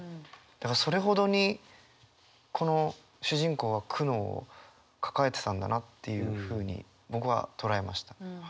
だからそれほどにこの主人公は苦悩を抱えてたんだなっていうふうに僕は捉えました。